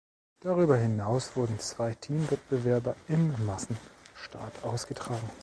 Darüber hinaus wurden zwei Teamwettbewerbe im Massenstart ausgetragen.